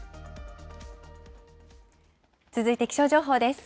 続いて気象情報です。